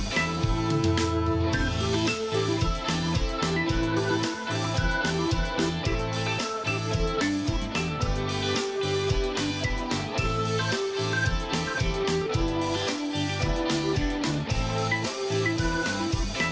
โปรดติดตามตอนต่อไป